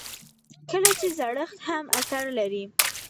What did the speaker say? لکه چې زړښت هم اثر لري.